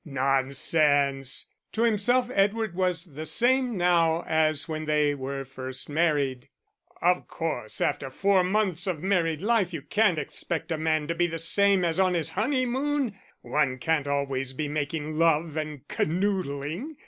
"Nonsense!" To himself Edward was the same now as when they were first married. "Of course after four months of married life you can't expect a man to be the same as on his honeymoon. One can't always be making love and canoodling.